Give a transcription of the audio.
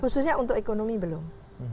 khususnya untuk ekonomi belum